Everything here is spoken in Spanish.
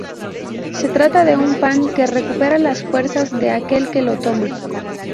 Se trata de un pan que recupera las fuerzas de aquel que lo toma.